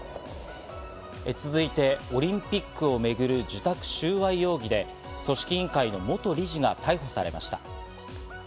続いて、オリンピックをめぐる受託収賄容疑で、組織委員会の元理事が逮捕されました。